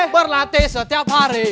berlatih setiap hari